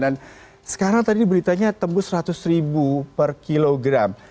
dan sekarang tadi beritanya tembus seratus ribu per kilogram